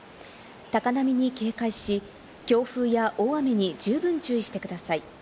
高波に警戒し、強風や大雨に十分注意してください。